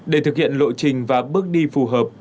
để thực hiện lộ trình và bước đi phù hợp